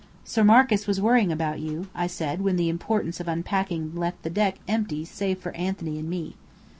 "Sir Marcus was worrying about you," I said, when the importance of unpacking left the deck empty save for Anthony and me.